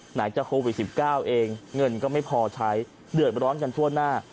ไหนจะโควิด๑๙เองเงินก็ไม่พอใช้เดือดร้อนกันทั่วหน้า